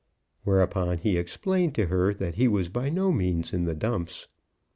Whereupon he explained to her that he was by no means in the dumps.